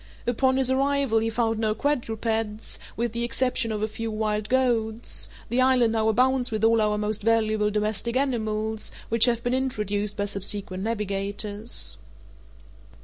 Upon his arrival he found no quadrupeds, with the exception of a few wild goats; the island now abounds with all our most valuable domestic animals, which have been introduced by subsequent navigators.